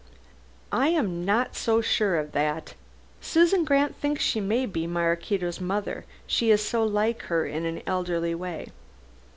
"I am not so sure of that. Susan Grant thinks she may be Maraquito's mother, she is so like her in an elderly way.